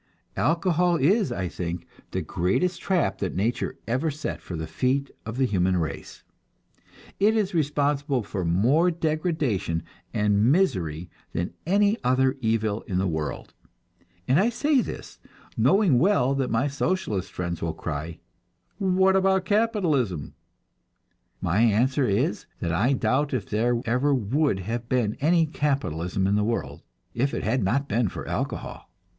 Alcohol is, I think, the greatest trap that nature ever set for the feet of the human race. It is responsible for more degradation and misery than any other evil in the world; and I say this, knowing well that my Socialist friends will cry, "What about Capitalism?" My answer is that I doubt if there ever would have been any Capitalism in the world, if it had not been for alcohol.